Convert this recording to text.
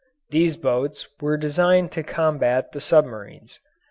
These boats were designed to combat the submarines.